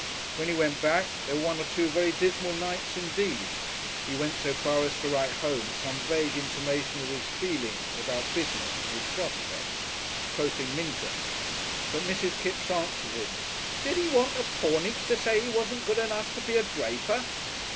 When he went back there were one or two very dismal nights indeed. He went so far as to write home some vague intimation of his feelings about business and his prospects, quoting Minton. But Mrs. Kipps answered him, "Did he want the Pornicks to say he wasn't good enough to be a draper?"